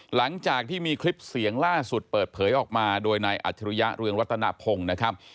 หลังจากที่มีคลิปเสียงล่าสุดเปิดเผยออกมาโดยนายอัจฉริยะเรืองรัตนพงศ์นะครับ